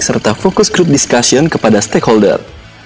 serta fokus group discussion kepada stakeholder